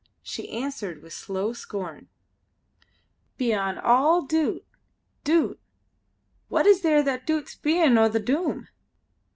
She answered with slow scorn: "Beyon' all doot! Doot! Wha is there that doots the bein' o' the Doom?